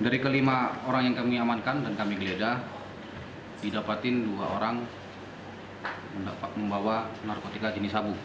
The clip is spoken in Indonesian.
dari kelima orang yang kami amankan dan kami geledah didapatin dua orang membawa narkotika jenis sabu